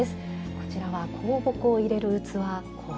こちらは香木を入れる器香合です。